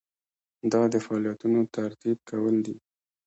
دا د فعالیتونو ترتیب کول دي.